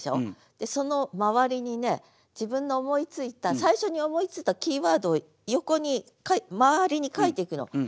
でその周りにね自分の思いついた最初に思いついたキーワードを横に周りに書いていくの。